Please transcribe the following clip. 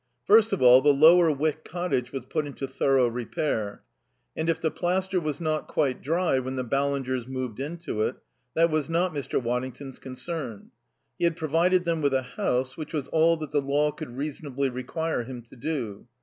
First of all, the Lower Wyck cottage was put into thorough repair; and if the plaster was not quite dry when the Ballingers moved into it, that was not Mr. Waddington's concern. He had provided them with a house, which was all that the law could reasonably require him to do.